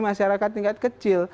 masyarakat tingkat kecil